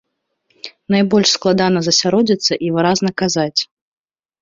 Найбольш складана засяродзіцца і выразна казаць.